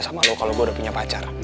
sama lo kalo gue udah punya pacar